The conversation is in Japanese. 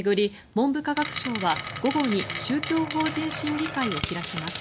文部科学省は午後に宗教法人審議会を開きます。